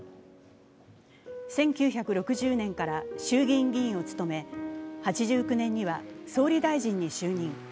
１９６０年から衆議院議員を務め８９年には総理大臣に就任。